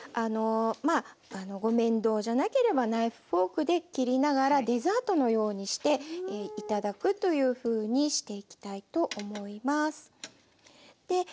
まあご面倒じゃなければナイフフォークで切りながらデザートのようにして頂くというふうにしていきたいと思います。